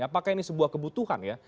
apakah ini sebuah kebutuhan ya